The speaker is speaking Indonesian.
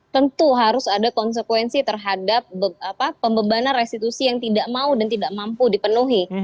tentu harus ada konsekuensi terhadap pembebanan restitusi yang tidak mau dan tidak mampu dipenuhi